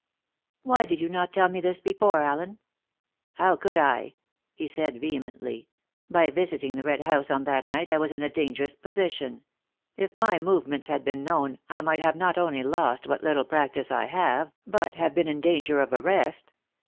"Why did you not tell me this before, Allen?" "How could I?" he said vehemently. "By visiting the Red House on that night I was in a dangerous position. If my movements had been known, I might have not only lost what little practice I have, but have been in danger of arrest.